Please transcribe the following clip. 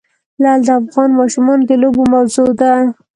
لعل د افغان ماشومانو د لوبو موضوع ده.